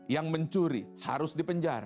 yang mencuri harus dipenjar